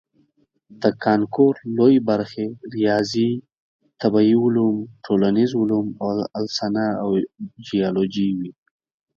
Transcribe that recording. د کانکور لویې برخې ریاضي، طبیعي علوم، ټولنیز علوم او السنه او جیولوجي وي.